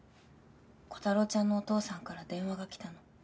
コタローちゃんのお父さんから電話が来たの。